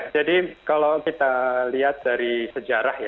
jadi kalau kita lihat dari sejarah